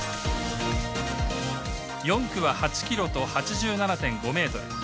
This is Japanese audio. ４区は、８ｋｍと８７．５ｍ。